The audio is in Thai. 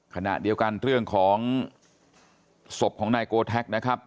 ขณะเดียวกันเรื่องของศพของนายโกแท็กนะครับ